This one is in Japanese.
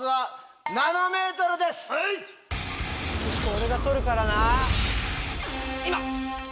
俺が取るからな。